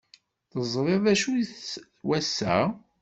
Teẓriḍ d acu-t wass-a?